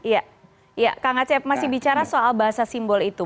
ya ya kak ngecep masih bicara soal bahasa simbol itu